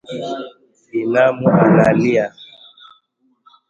Binamu analia